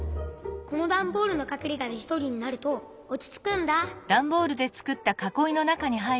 このだんボールのかくれがでひとりになるとおちつくんだ。